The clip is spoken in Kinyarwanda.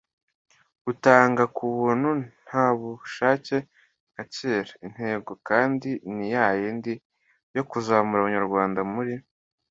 utanga ku buntu nta buhake nka kera. intego kandi ni ya yindi, yo kuzamura abanyarwanda muri